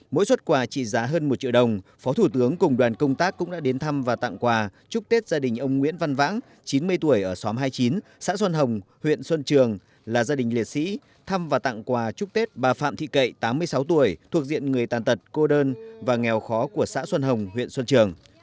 mỗi xuất quà trị giá hơn một triệu đồng phó thủ tướng cùng đoàn công tác cũng đã đến thăm và tặng quà chúc tết gia đình ông nguyễn văn vãng chín mươi tuổi ở xóm hai mươi chín xã xuân hồng huyện xuân trường là gia đình liệt sĩ thăm và tặng quà chúc tết bà phạm thị kệ tám mươi sáu tuổi thuộc diện người tàn tật cô đơn và nghèo khó của xã xuân hồng huyện xuân trường